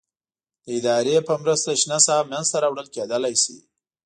د ادارې په مرسته شنه ساحه منځته راوړل کېدلای شي.